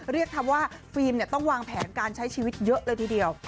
เรียกว่าฟิล์มต้องวางแผนการใช้ชีวิตเยอะเลยทีเดียว